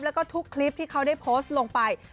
แล้วก็ทุกคลิปที่เขาได้โพสต์ลงไป